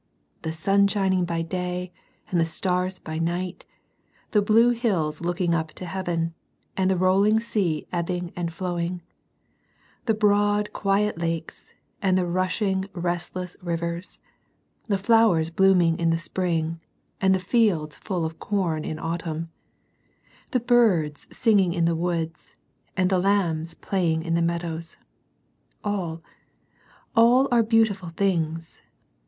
The sun shining by day and the stars by night; the blue hills looking up to heaven, and the rolling sea ebbing and flowing; the broad quiet lakes, and the rush ing restless rivers ; the flowers blooming in the spring, and the fields full of com in autumn ; the birds singing in the woods, and the lambs play in the meadows, — all, all are beautiful things.